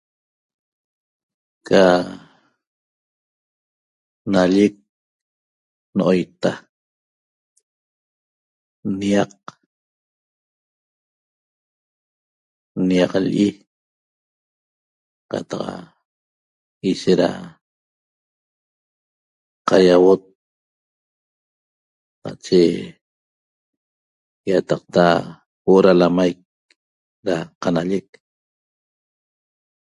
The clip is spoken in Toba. Ca nallic no'oita niaq niaq lli'i qataq ishet da qaiauot nache ýataqta huo'o da lamaic da qanallec